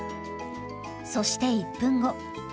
そして１分後。